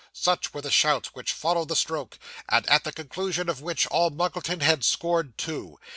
Such were the shouts which followed the stroke; and at the conclusion of which All Muggleton had scored two.